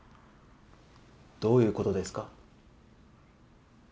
どういうことですか？